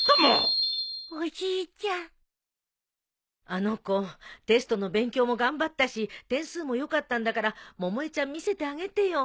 あの子テストの勉強も頑張ったし点数も良かったんだから百恵ちゃん見せてあげてよ。